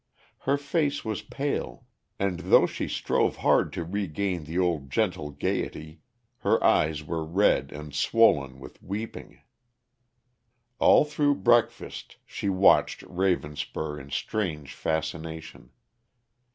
Her face was pale, and, though she strove hard to regain the old gentle gaiety, her eyes were red and swollen with weeping. All through breakfast she watched Ravenspur in strange fascination.